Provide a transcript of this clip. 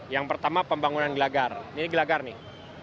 yang pertama pembangunan gelagar ini gelagar nih